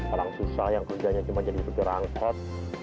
orang susah yang kerjanya cuma jadi putri rangkot